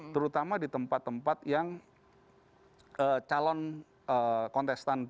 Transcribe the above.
terutama di tempat tempat yang calon kontestan di sana